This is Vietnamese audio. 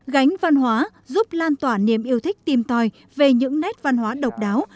gánh văn hóa giúp lan tỏa niềm yêu thích tìm tòi về những nét văn hóa độc đáo